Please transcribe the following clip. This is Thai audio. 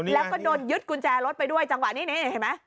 แล้วก็โดนยึดกุญแจรถไปด้วยจังหวะนี้นี่เห็นไหม